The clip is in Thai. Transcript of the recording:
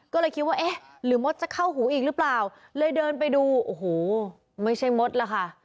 ก็เลยคิดว่าเอ๊ะหรือมดจะเข้าหูอีกหรือเปล่าเลยเดินไปดูโอ้โหไม่ใช่มดล่ะค่ะ